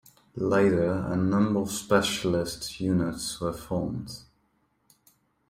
Later, a number of specialist units were formed.